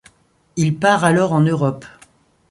Il part alors en Europe.